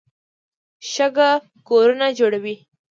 شګه کورونه جوړوي.